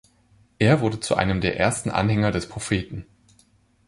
Er wurde zu einem der ersten Anhänger des Propheten.